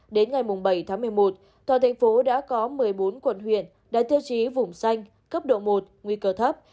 đến ngày bảy một mươi một tòa tp hcm đã có một mươi bốn quận huyện đã tiêu chí vùng xanh cấp độ một nguy cơ thấp